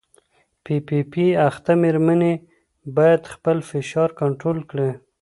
پي پي پي اخته مېرمنې باید خپل فشار کنټرول کړي.